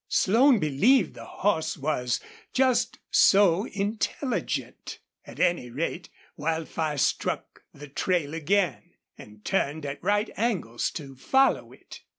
Slone believed the horse was just so intelligent. At any rate, Wildfire struck the trail again, and turned at right angles to follow it.